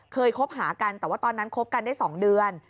คบหากันแต่ว่าตอนนั้นคบกันได้๒เดือน